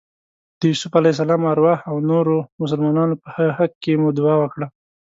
د یوسف علیه السلام ارواح او نورو مسلمانانو په حق کې مو دعا وکړه.